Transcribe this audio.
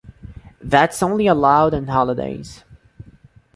That is only allowed on holidays.